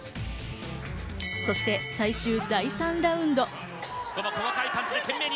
そして最終第３ラウンド。